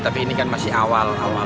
tapi ini kan masih awal awal